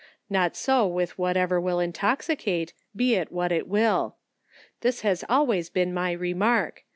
Not so with whatever will intoxicate, be it what it will. This has always been my remark